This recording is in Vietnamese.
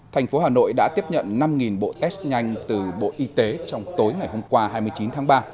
thành phố hà nội đã tiếp nhận năm bộ test nhanh từ bộ y tế trong tối ngày hôm qua hai mươi chín tháng ba